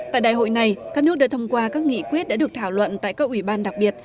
tại đại hội này các nước đã thông qua các nghị quyết đã được thảo luận tại các ủy ban đặc biệt